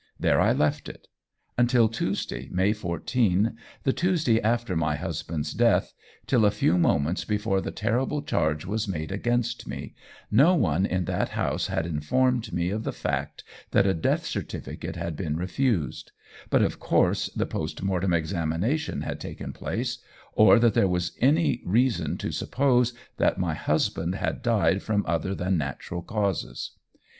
There I left it. Until Tuesday, May 14, the Tuesday after my husband's death, till a few moments before the terrible charge was made against me, no one in that house had informed me of the fact that a death certificate had been refused but of course the post mortem examination had taken place or that there was any reason to suppose that my husband had died from other than natural causes.